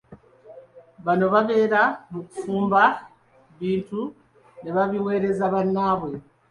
Bano babera mu kufumba bintu ne babiweereza bannabwe.